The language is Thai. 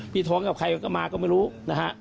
ท้องกับใครก็มาก็ไม่รู้นะฮะ